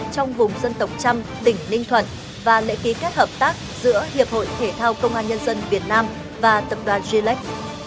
trong vùng dân tộc trăm đỉnh ninh thuận và lệ ký các hợp tác giữa hiệp hội thể thao công an nhân dân việt nam và tập đoàn gilead